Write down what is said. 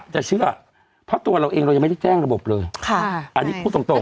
จะเชื่อเพราะตัวเราเองเรายังไม่ได้แจ้งระบบเลยค่ะอันนี้พูดตรงตรง